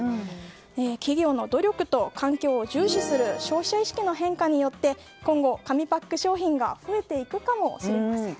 企業の努力と環境を重視する消費者意識の変化によって今後、紙パック商品が増えていくかもしれません。